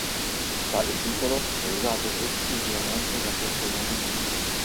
Tale titolo è usato esclusivamente da questo movimento.